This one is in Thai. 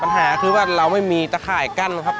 ปัญหาคือว่าเราไม่มีตะข่ายกั้นนะครับ